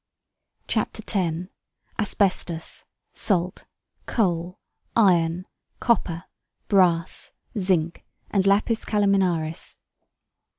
CHAPTER X. ASBESTUS, SALT, COAL, IRON, COPPER, BRASS, ZINC, AND LAPIS CALAMINARIS.